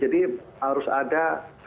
jadi harus ada